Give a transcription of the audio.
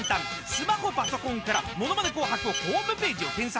スマホパソコンから『ものまね紅白』ホームページを検索。